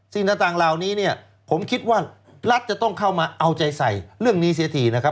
สิ่งต่างเหล่านี้เนี่ยผมคิดว่ารัฐจะต้องเข้ามาเอาใจใส่เรื่องนี้เสียทีนะครับ